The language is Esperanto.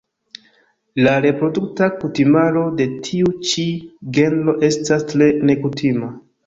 La reprodukta kutimaro de tiu ĉi genro estas tre nekutima.